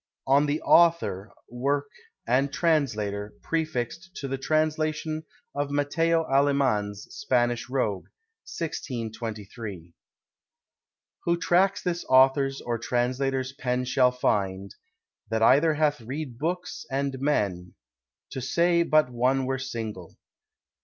On the AUTHOR, WORKE, and TRANSLATOR, prefixed to the translation of Mateo Alemans's Spanish Rogue, 1623. Who tracks this author's or translator's pen Shall finde, that either hath read bookes, and men: To say but one were single.